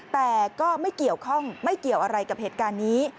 แต่ก็ไม่เกี่ยวอะไรกับเหตุการณ์นี้